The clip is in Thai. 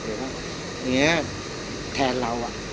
พี่อัดมาสองวันไม่มีใครรู้หรอก